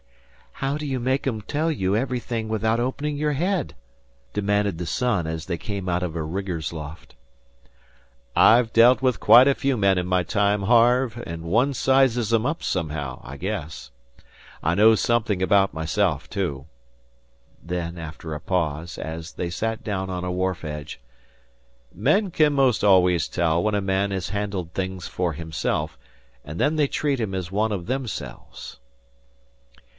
"How d'you make 'em tell you everything without opening your head?" demanded the son, as they came out of a rigger's loft. "I've dealt with quite a few men in my time, Harve, and one sizes 'em up somehow, I guess. I know something about myself, too." Then, after a pause, as they sat down on a wharf edge: "Men can 'most always tell when a man has handled things for himself, and then they treat him as one of themselves."